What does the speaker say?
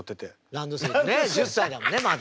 ランドセルね１０歳だもんねまだ。